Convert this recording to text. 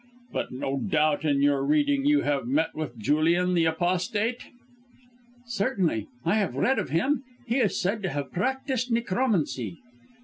But no doubt in your reading you have met with Julian the Apostate?" "Certainly, I have read of him. He is said to have practised necromancy."